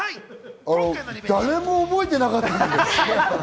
誰も覚えてなかったんだけど。